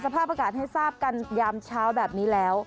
สภาพอากาศให้ทราบกันยามเช้าแบบนี้แล้ว